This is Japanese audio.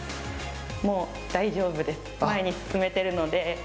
もう大丈夫です前に進めてるので。